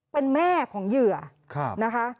เป็นแม่ของเหยื่อนะคะ